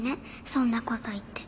そんなこと言って。